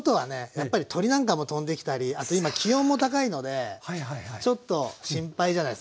やっぱり鳥なんかも飛んできたりあと今気温も高いのでちょっと心配じゃないですか？